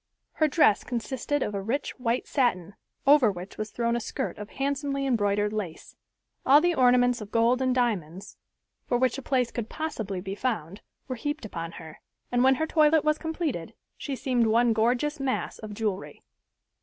Her dress consisted of a rich, white satin, over which was thrown a skirt of handsomely embroidered lace. All the ornaments of gold and diamonds for which a place could possibly be found were heaped upon her, and when her toilet was completed, she seemed one gorgeous mass of jewelry.